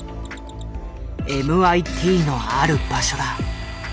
ＭＩＴのある場所だ。